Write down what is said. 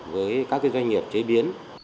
với các doanh nghiệp chế biến